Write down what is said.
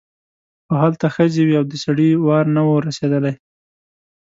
خو هلته ښځې وې او د سړي وار نه و رسېدلی.